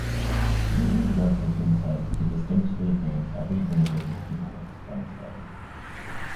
Newton's work has been said "to distinctly advance every branch of mathematics then studied".